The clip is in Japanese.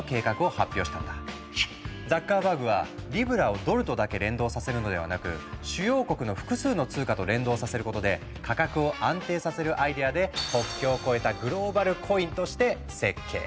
ザッカーバーグはリブラをドルとだけ連動させるのではなく主要国の複数の通貨と連動させることで価格を安定させるアイデアで国境を越えた「グローバルコイン」として設計。